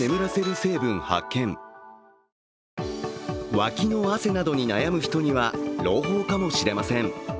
わきの汗などに悩む人には朗報かもしれません。